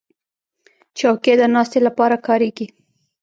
چوکۍ د ناستې لپاره کارېږي.